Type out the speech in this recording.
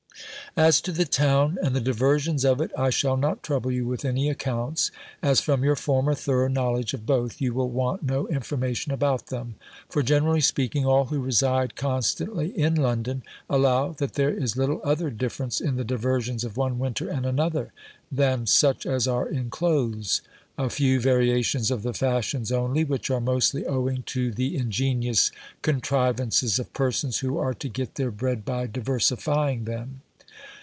As to the town, and the diversions of it, I shall not trouble you with any accounts, as, from your former thorough knowledge of both, you will want no information about them; for, generally speaking, all who reside constantly in London, allow, that there is little other difference in the diversions of one winter and another, than such as are in clothes; a few variations of the fashions only, which are mostly owing to the ingenious contrivances of persons who are to get their bread by diversifying them.